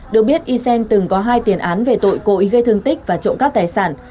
được biết ysen từng có hai tiền án về tội cội gây thương tích và trộm cắp tài sản